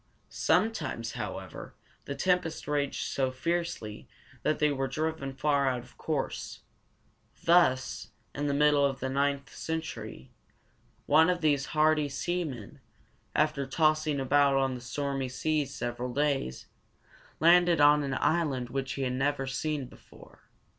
Sometimes, however, the tempest raged so fiercely that they were driven far out of their course. Thus, in the middle of the ninth century, one of these hardy seamen, after tossing about on the stormy seas several days, landed on an island which he had never seen before.